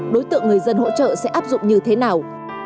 đối tượng người dân hỗ trợ sẽ áp dụng như thế nào